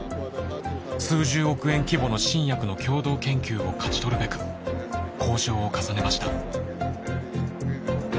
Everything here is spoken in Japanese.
数十億円規模の新薬の共同研究を勝ち取るべく交渉を重ねました。